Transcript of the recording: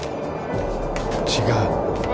違う